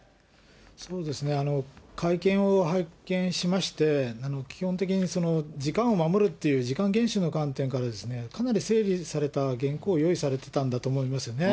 そうですね、会見を拝見しまして、基本的に、時間を守るという、時間厳守の観点から、かなり整理された原稿を用意されてたんだと思いますね。